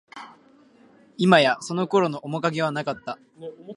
いまや、その頃の面影はなかった